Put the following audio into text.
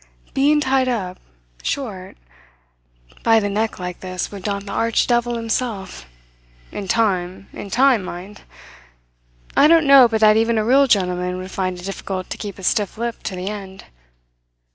Being tied up short by the neck like this would daunt the arch devil himself in time in time, mind! I don't know but that even a real gentleman would find it difficult to keep a stiff lip to the end.